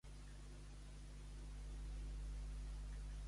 Si vols bon allar, deixa un dia de sembrar.